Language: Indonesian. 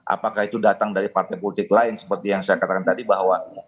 apakah itu datang dari partai politik lain seperti yang saya katakan tadi bahwa